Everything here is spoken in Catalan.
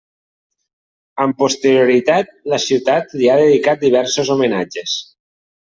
Amb posterioritat la ciutat li ha dedicat diversos homenatges.